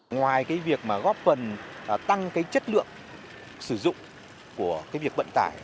ngoài cái việc mà góp phần tăng cái chất lượng sử dụng của cái việc vận tải